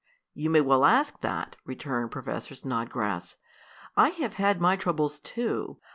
"You may well ask that," returned Professor Snodgrass. "I have had my troubles too.